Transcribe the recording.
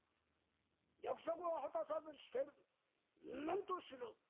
約束を果たさずして何とする」。